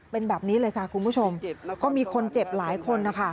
เป็นแบบนี้เลยค่ะคุณผู้ชมก็มีคนเจ็บหลายคนนะคะ